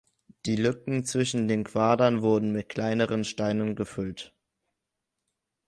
Die Lücken zwischen den Quadern wurden mit kleineren Steinen gefüllt.